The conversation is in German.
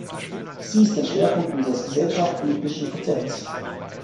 Sie ist ein Schwerpunkt unseres gesellschaftspolitischen Konzepts.